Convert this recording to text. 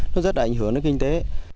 nó rất là ảnh hưởng đến kinh tế